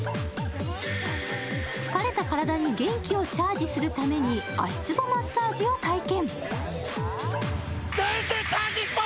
疲れた体に元気をチャージするために、足つぼマッサージを体験。